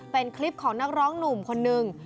เป็นคลิปของนักร้องหนุ่มคนนึง